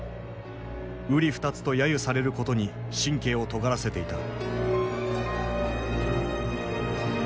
うり二つと揶揄されることに神経をとがらせていた。